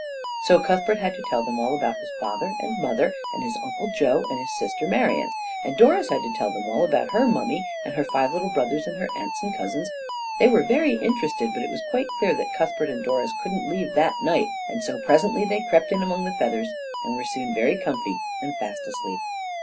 So Cuthbert had to tell them all about his father and mother and his Uncle Joe and his sister Marian; and Doris had to tell them all about her mummy and her five little brothers and her aunts and cousins. They were very interested, but it was quite clear that Cuthbert and Doris couldn't leave that night; and so presently they crept in among the feathers, and were soon very comfy and fast asleep.